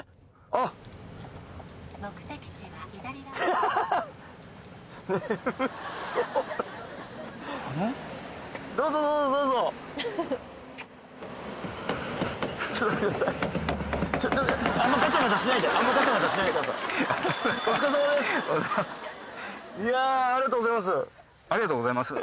「ありがとうございます」